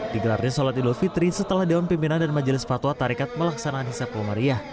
digelarnya solat idul fitri setelah daun pimpinan dan majelis fatwa tarikat melaksanaan hisapu maria